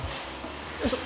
よいしょ。